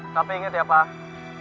tapi ingat ya pak